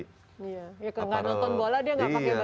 ya karena nonton bola dia nggak pakai baju bola